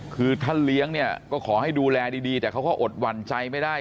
คือท่านเลี้ยงเนี่ยก็ขอให้ดูแลดีแต่เขาก็อดหวั่นใจไม่ได้